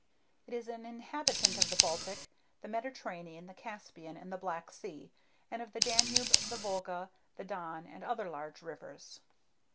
It is an inhabitant of the Baltic, the Mediterranean, the Caspian, and the Black Sea, and of the Danube, the Volga, the Don, and other large rivers.